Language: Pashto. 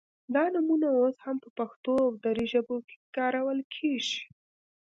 دا نومونه اوس هم په پښتو او دري ژبو کې کارول کیږي